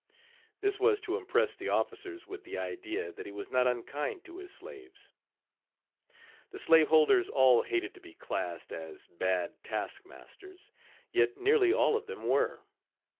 This was to impress the officers with the idea that he was not unkind to his slaves. The slave holders all hated to be classed as bad task masters. Yet nearly all of them were.